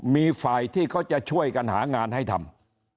มีฝ่ายที่เขาจะช่วยกันหางานให้ทำ